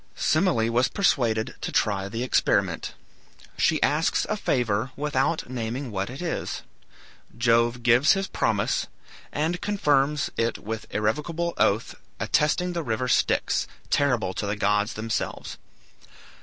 Semele was persuaded to try the experiment. She asks a favor, without naming what it is. Jove gives his promise, and confirms it with the irrevocable oath, attesting the river Styx, terrible to the gods themselves.